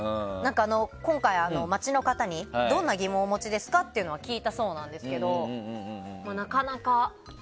今回、街の方にどんな疑問をお持ちですかというのは聞いたそうなんですけどなかなか。